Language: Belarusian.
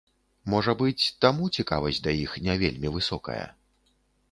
Можа быць, таму цікавасць да іх не вельмі высокая.